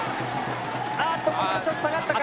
あっとここはちょっと下がったか？